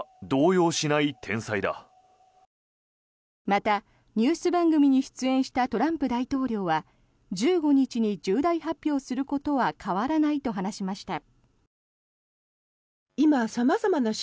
また、ニュース番組に出演したトランプ大統領は１５日に重大発表することは変わらないと話しました。